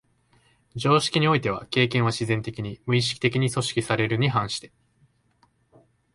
常識においては経験は自然的に、無意識的に組織されるに反して、